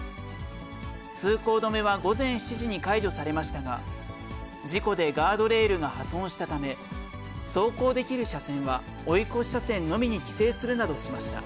通行止めは午前７時に解除されましたが、事故でガードレールが破損したため、走行できる車線は追い越し車線のみに規制するなどしました。